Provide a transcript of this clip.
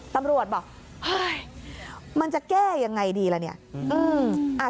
ตำรวจบอกมันจะแก้อย่างไรดีล่ะ